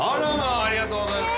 ありがとうございます。